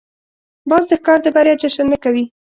باز د ښکار د بریا جشن نه کوي